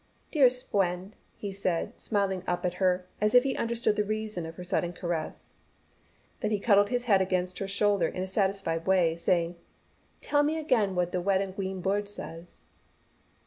"Dea'st Fwend," he said, smiling up at her as if he understood the reason of her sudden caress. Then he cuddled his head against her shoulder in a satisfied way, saying, "Tell me again what the wed and gween bird says."